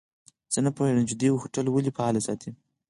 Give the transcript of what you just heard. زه نه پوهیږم چي دوی هوټل ولي فعال ساتلی.